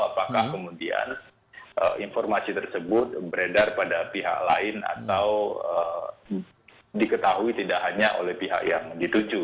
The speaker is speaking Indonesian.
apakah kemudian informasi tersebut beredar pada pihak lain atau diketahui tidak hanya oleh pihak yang dituju